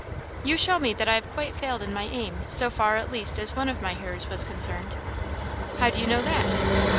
"You show me that I have quite failed in my aim, so far at least as one of my hearers was concerned." "How do you know that?"